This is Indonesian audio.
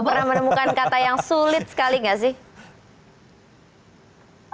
pernah menemukan kata yang sulit sekali nggak sih